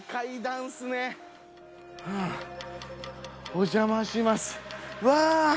お邪魔しますうわ！